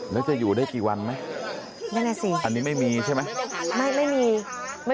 แล้วจะอยู่ได้กี่วันไหม